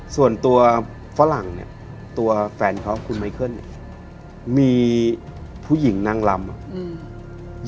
ส่วนตัวฝรั่งเนี้ยตัวแฟนเขาคุณไมเคิลเนี่ยมีผู้หญิงนั่งลำอ่ะอืม